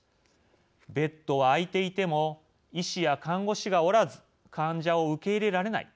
ベッドは空いていても医師や看護師がおらず患者を受け入れられない。